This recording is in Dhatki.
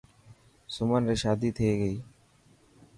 سمن ري شادي ٿي گئي.